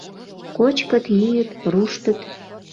Кочкыт, йӱыт, руштыт.